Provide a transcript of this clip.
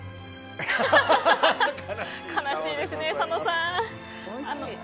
悲しいですね、佐野さん。